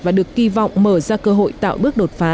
và được kỳ vọng mở ra cơ hội tạo bước đột phá